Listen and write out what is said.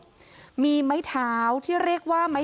เป็นพระรูปนี้เหมือนเคี้ยวเหมือนกำลังทำปากขมิบท่องกระถาอะไรสักอย่าง